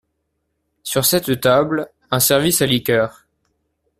Sur cette table, un service à liqueurs.